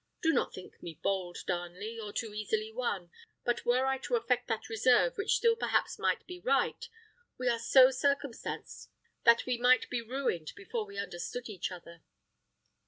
Do not think me bold, Darnley, or too easily won; but were I to affect that reserve which still perhaps might be right, we are so circumstanced that we might be ruined before we understood each other."